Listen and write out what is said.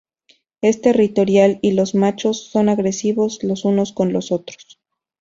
Es territorial y los machos son agresivos los unos con los otros.